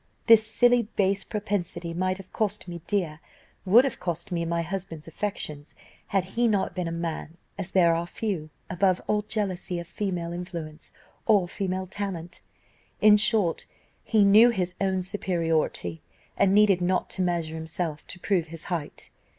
This silly, base propensity might have cost me dear, would have cost me my husband's affections, had he not been a man, as there are few, above all jealousy of female influence or female talent; in short, he knew his own superiority, and needed not to measure himself to prove his height.